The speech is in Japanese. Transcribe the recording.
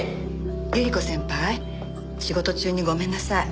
百合子先輩仕事中にごめんなさい。